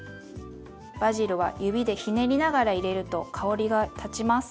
バジルは指でひねりながら入れると香りが立ちます。